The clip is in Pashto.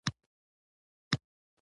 اسلامي عدالت د ټولني د پرمختګ سبب ګرځي.